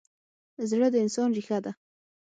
زړه د انسان ریښه ده.